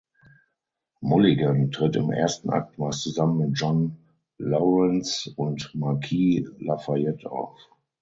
Mulligan tritt im ersten Akt meist zusammen mit John Laurens und Marquis Lafayette auf.